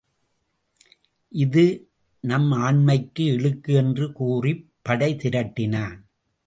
இது நம் ஆண்மைக்கு இழுக்கு என்று கூறிப் படை திரட்டினான்.